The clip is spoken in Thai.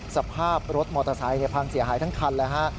สภาพรถมอเตอร์ไซค์พังเสียหายทั้งคันเลยฮะ